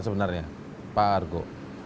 sebenarnya pak argo